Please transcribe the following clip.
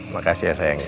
makasih ya sayang